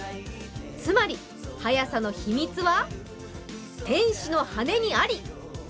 つまり速さの秘密は、天使の羽にあり！